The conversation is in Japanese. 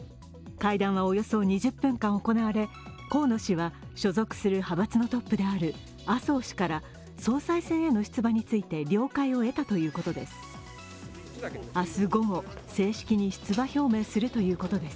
会談はおよそ２０分間行われ、河野氏は所属する派閥のトップである麻生氏から総裁選への出馬について了解を得たということです。